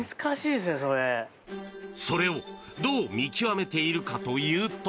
それをどう見極めているかというと。